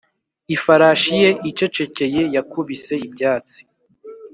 ifarashi ye icecekeye yakubise ibyatsi